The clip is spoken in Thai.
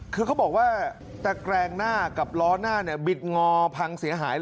คือเขาบอกว่าตะแกรงหน้ากับล้อหน้าบิดงอพังเสียหาย